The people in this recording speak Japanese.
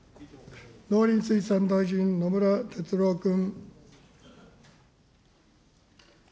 農林水産大臣、野村哲郎君。